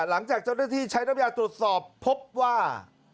หลังจากเจ้าท่านที่ใช้รับยานตรวจสอบพบว่า